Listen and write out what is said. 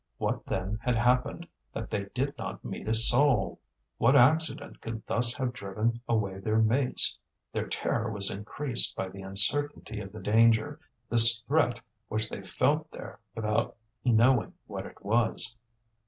What then had happened that they did not meet a soul? What accident could thus have driven away their mates? Their terror was increased by the uncertainty of the danger, this threat which they felt there without knowing what it was.